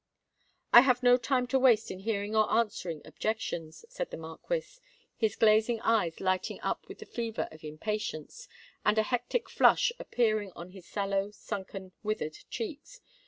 "I have no time to waste in hearing or answering objections," said the Marquis, his glazing eyes lighting up with the fever of impatience, and a hectic flush appearing on his sallow, sunken, withered cheeks.